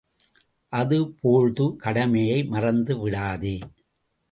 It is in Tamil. அதே போழ்து கடமையை மறந்து விடாதே!